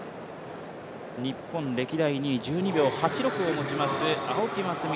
日本歴代２位、１２秒８６を持ちますと青木益未。